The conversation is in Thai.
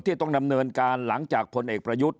ต้องดำเนินการหลังจากพลเอกประยุทธ์